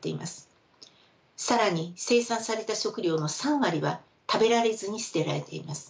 更に生産された食料の３割は食べられずに捨てられています。